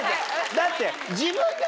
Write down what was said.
だって。